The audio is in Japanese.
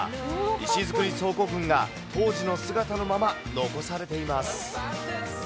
石造倉庫群が当時の姿のまま、残されています。